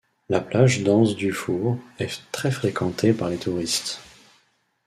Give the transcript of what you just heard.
La plage d'Anse Dufour est très fréquentée par les touristes.